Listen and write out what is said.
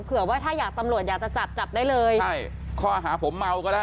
เผื่อว่าถ้าอยากตำรวจอยากจะจับจับได้เลยใช่ข้อหาผมเมาก็ได้